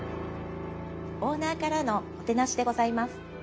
オーナーからのもてなしでございます。